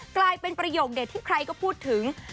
กลายเป็นประโยคเด็ดที่ใครก็พูดถึง